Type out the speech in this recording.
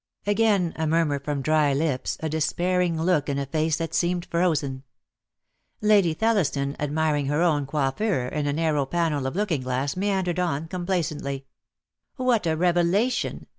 Again a murmur from dry lips, a despairing look in a face that seemed frozen. Lady Thelliston, ad miring her own coiffure in a narrow panel of looking glass, meandered on complacently: lO* 148 DEAD LOVE HAS CHAINS. "What a revelation!